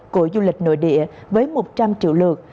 của du lịch nội địa với một trăm linh triệu lượt